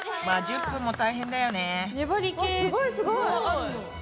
まあ１０分も大変だよね。